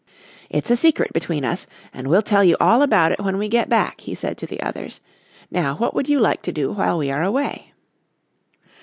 "It's a secret between us and we'll tell you all about it when we get back," he said to the others. "Now what would you like to do while we are away?"